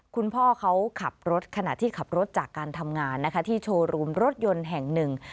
คุณพ่อเขาขับรถขณะที่ขับรถจากการทำงานนะคะที่โชว์รูมรถยนต์แห่งหนึ่ง